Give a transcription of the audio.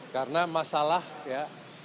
karena masalah ya